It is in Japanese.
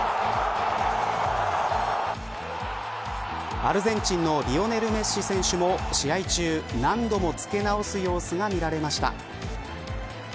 アルゼンチンのリオネル・メッシ選手も試合中、何度もつけ直す様子が見られました。